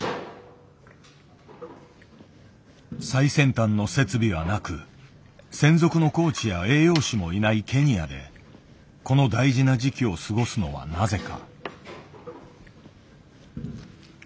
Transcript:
最先端の設備はなく専属のコーチや栄養士もいないケニアでこの大事な時期を過ごすのはなぜか。